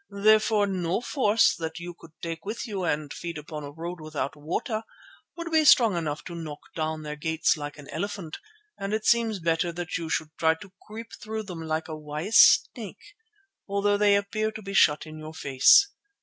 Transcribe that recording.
Therefore no force that you could take with you and feed upon a road without water would be strong enough to knock down their gates like an elephant, and it seems better that you should try to creep through them like a wise snake, although they appear to be shut in your face.